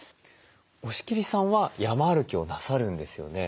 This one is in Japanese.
押切さんは山歩きをなさるんですよね？